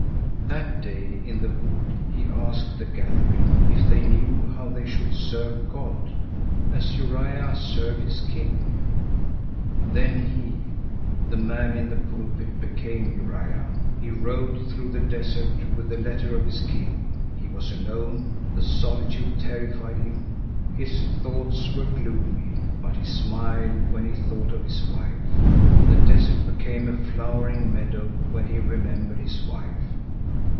That day in the wood he asked the gathering if they knew how they should serve God?—as Uria served his king. Then he, the man in the pulpit, became Uria. He rode through the desert with the letter of his king. He was alone. The solitude terrified him. His thoughts were gloomy. But he smiled when he thought of his wife. The desert became a flowering meadow when he remembered his wife.